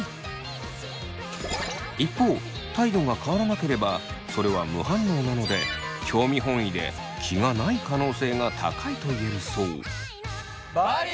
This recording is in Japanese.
一方態度が変わらなければそれは無反応なので興味本位で気がない可能性が高いといえるそう。